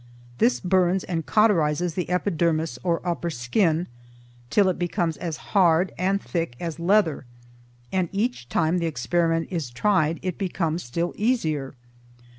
This burns and cauterizes the epidermis or upper skin, till it becomes as hard and thick as leather, and each time the experiment is tried it becomes still easier.